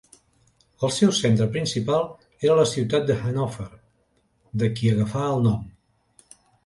El seu centre principal era la ciutat de Hannover de qui agafà el nom.